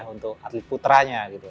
untuk atlet putranya